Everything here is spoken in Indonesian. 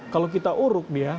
kalau kita uruk dia